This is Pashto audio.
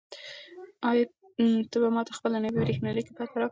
آیا ته به ماته خپله نوې بریښنالیک پته راکړې؟